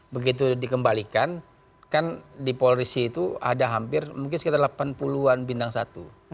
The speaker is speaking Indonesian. begitu dikembalikan kan di polri itu ada hampir mungkin sekitar delapan puluh an bintang satu